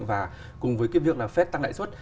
và cùng với kiếm hiệu là fed tăng đại suất